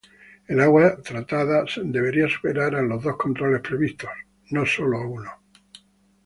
El agua tratada debería superar a los dos controles previstos, no sólo a uno.